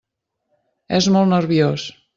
És molt nerviós.